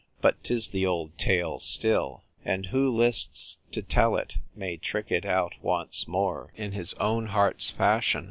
But 'tis the old tale still, and who lists to tell it may trick it out once more in his own heart's fashion.